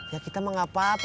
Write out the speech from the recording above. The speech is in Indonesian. ya kita mah gak apa apa